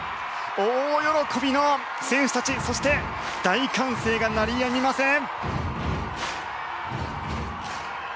大喜びの選手たちそして大歓声が鳴りやみません。